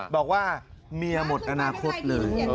บอกว่าเมียหมดอนาคตเลย